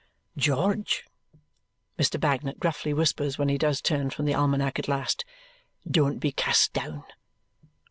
"George," Mr. Bagnet gruffly whispers when he does turn from the almanac at last. "Don't be cast down!